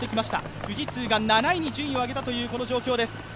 富士通が７位に順位を上げた状況です。